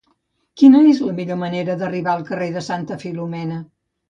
Quina és la millor manera d'arribar al carrer de Santa Filomena?